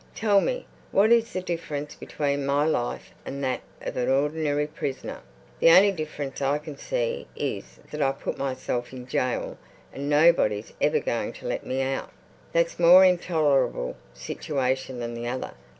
"Tell me, what is the difference between my life and that of an ordinary prisoner. The only difference I can see is that I put myself in jail and nobody's ever going to let me out. That's a more intolerable situation than the other.